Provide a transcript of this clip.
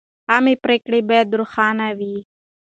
عامه پریکړې باید روښانه وي.